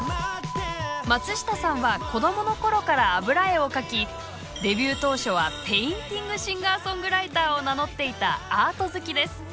松下さんはデビュー当初はペインティングシンガーソングライターを名乗っていたアート好きです。